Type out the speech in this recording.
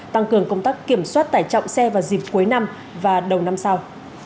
tăng cường công tác kiểm soát tải trọng xe vào dịp cuối năm và đầu năm sau